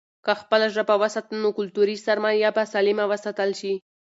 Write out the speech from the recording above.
که خپله ژبه وساتو، نو کلتوري سرمايه به سالمه وساتل شي.